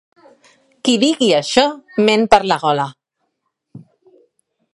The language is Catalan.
Qui digui això, ment per la gola.